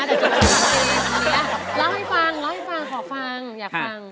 แต่จบสูงอย่างนี้เล่าให้ฟังขอฟังอยากฟัง